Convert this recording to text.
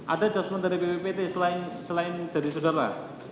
ada adjustment dari bppt selain dari saudara